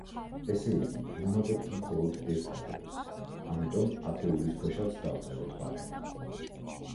ესე იგი, ვუმატებთ მხოლოდ ერთ ათეულს, ამიტომ ათეულის ქვეშაც დავწეროთ ბარემ.